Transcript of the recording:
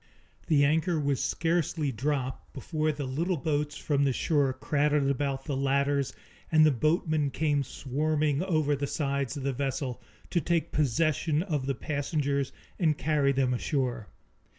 The anchor was scarcely dropped before the little boats from the shore crowded about the ladders and the boatmen came swarming over the sides of the vessel, to take possession of the passengers and carry them ashore.